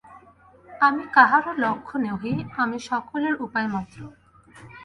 আমি কাহারো লক্ষ্য নহি, আমি সকলের উপায়মাত্র।